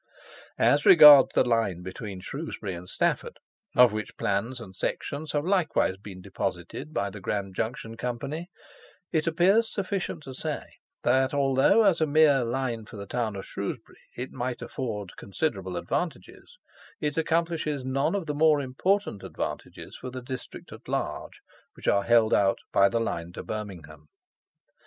As regards the line between Shrewsbury and Stafford, of which plans and sections have likewise been deposited by the Grand Junction Company, it appears sufficient to say, that although as a mere line for the town of Shrewsbury, it might afford considerable advantages, it accomplishes none of the more important advantages for the district at large which are held out by the line to Birmingham.